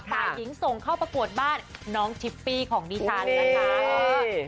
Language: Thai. ฝ่ายหญิงส่งเข้าประกวดบ้านน้องชิปปี้ของดิฉันนะคะ